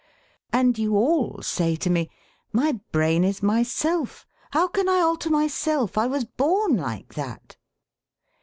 And you all say to me: 'My brain is myself. How can I alter myself? I was born like that.'